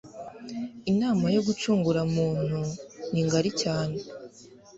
Inama yo gucungura muntu ni ngari cyane